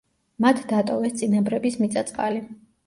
მათ დატოვეს წინაპრების მიწა-წყალი.